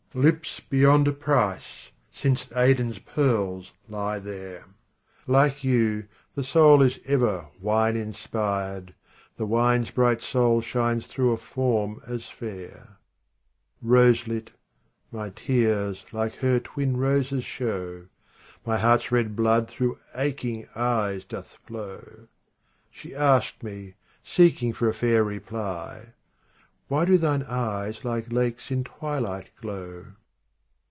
Lips beyond price, since Aden's pearls lie there, Like you, the soul is ever wine inspired ; The wine's bright soul shines through a form as fair. KUBA'IYAT OF HAFIZ 51 48 Roselit, my tears like her twin roses show. My heart's red blood through aching eyes doth flow She asked me, seeking for a fair reply :" Why do thine eyes like lakes in twilight glow